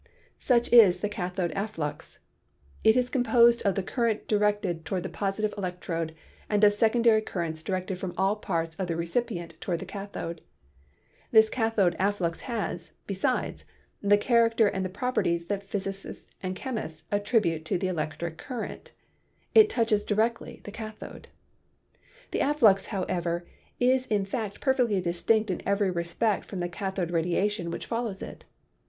Such is the cathode afflux ; it is composed of the current directed toward the positive electrode and of secondary currents directed from all parts of the recipient toward the cathode. This cathode afflux has, besides, the character and the properties that physicists and chemists attribute to the electric current. It touches directly the cathode. The afflux, however, is in fact perfectly distinct in every respect from the cathode radiation which follows it.